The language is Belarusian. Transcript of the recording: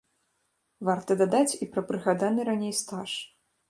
Варта дадаць і пра прыгаданы раней стаж.